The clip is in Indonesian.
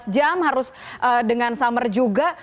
dua belas jam harus dengan summer juga